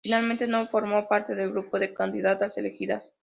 Finalmente no formó parte del grupo de candidatas elegidas.